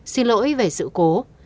xin lỗi về sự cố